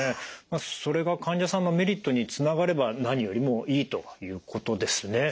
それが患者さんのメリットにつながれば何よりもいいということですね。